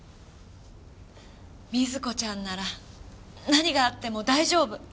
瑞子ちゃんなら何があっても大丈夫！